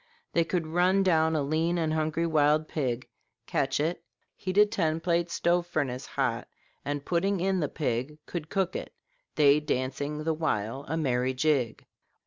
They could run down a lean and hungry wild pig, catch it, heat a ten plate stove furnace hot, and putting in the pig, could cook it, they dancing the while a merry jig."